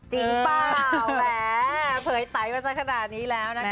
เปล่าล้ะเผยไต๋เมื่อสักขนาดนี้แล้ว